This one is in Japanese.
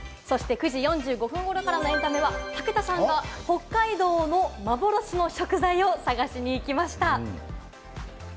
そして９時４５分頃からのエンタメは、武田さんが北海道の幻の食材を探しに行きました！